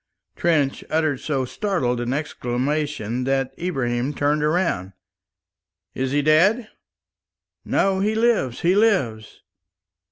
Trench uttered so startled an exclamation that Ibrahim turned round. "Is he dead?" "No, he lives, he lives."